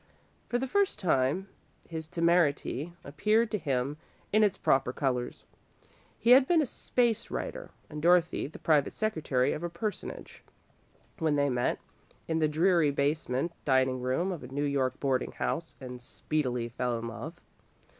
For the first time, his temerity appeared to him in its proper colours. He had been a space writer and Dorothy the private secretary of a Personage, when they met, in the dreary basement dining room of a New York boarding house, and speedily fell in love.